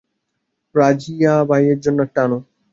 রাজিয়াবাইয়ের জন্য একটা আনো।